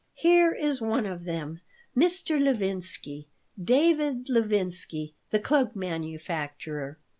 "Here is one of them. Mr. Levinsky, David Levinsky, the cloak manufacturer."